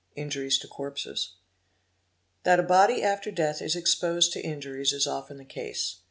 —Injuries to Corpses. ° That a body after death is exposed to injuries is often the case.